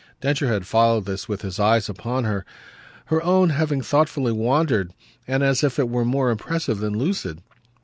Densher had followed this with his eyes upon her, her own having thoughtfully wandered, and as if it were more impressive than lucid.